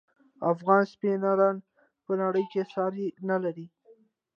افغان سپینران په نړۍ کې ساری نلري.